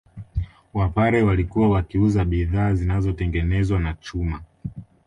Wapare walikuwa wakiuza bidhaa zinazotengenezwa na chuma